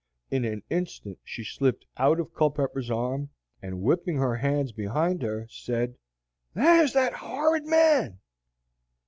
In an instant she slipped out of Culpepper's arm, and, whipping her hands behind her, said, "There's that horrid man!"